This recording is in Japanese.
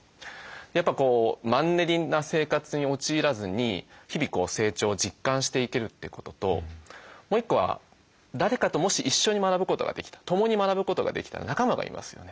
やっぱマンネリな生活に陥らずに日々成長を実感していけるってことともう一個は誰かともし一緒に学ぶことができた共に学ぶことができたら仲間がいますよね。